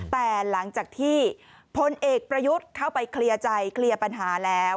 แต่หลังจากที่พลเอกประยุทธ์เข้าไปเคลียร์ใจเคลียร์ปัญหาแล้ว